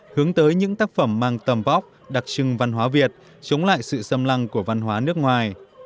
hướng tới những tác phẩm mang tầm vóc đặc trưng văn hóa việt chống lại sự xâm lăng của văn hóa nước ngoài